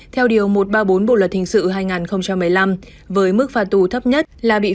theo điều một trăm ba mươi bốn bộ luật hình sự hai nghìn một mươi năm với mức phạt tù thấp nhất là bị phạt